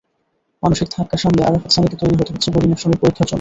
মানসিক ধাক্কা সামলে আরাফাত সানিকে তৈরি হতে হচ্ছে বোলিং অ্যাকশনের পরীক্ষার জন্য।